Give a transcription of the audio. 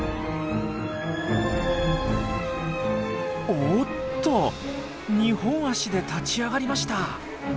おっと２本足で立ち上がりました！